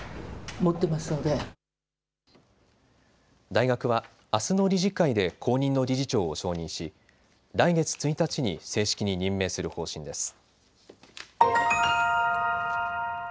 大学はあすの理事会で後任の理事長を承認し来月１日に正式に任命する方針です。